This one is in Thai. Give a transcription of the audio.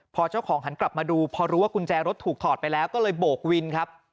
พอเจ้าของหันกลับมาดูพอรู้ว่ากุญแจรถถูกถอดไปแล้วก็เลยโบกวินครับ